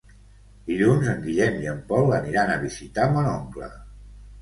Dilluns en Guillem i en Pol aniran a visitar mon oncle.